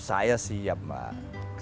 saya siap mak